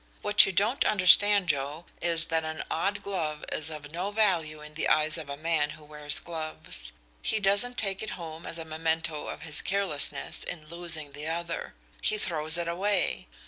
What you don't understand, Joe, is that an odd glove is of no value in the eyes of a man who wears gloves. He doesn't take it home as a memento of his carelessness in losing the other. He throws it away.